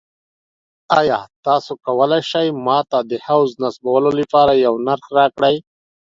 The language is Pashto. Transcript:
ایا تاسو کولی شئ ما ته د حوض د نصبولو لپاره یو نرخ راکړئ؟